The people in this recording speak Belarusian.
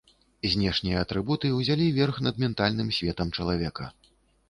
Знешнія атрыбуты ўзялі верх над ментальным светам чалавека.